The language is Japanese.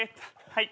はい。